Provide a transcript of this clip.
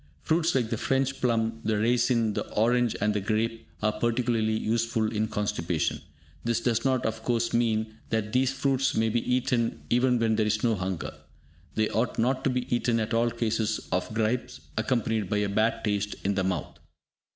Fruits like the French plum, the raisin, the orange and the grape, are particularly useful in constipation. This does not, of course, mean that these fruits may be eaten even where there is no hunger. They ought not to be eaten at all in cases of gripes accompanied by a bad taste in the mouth.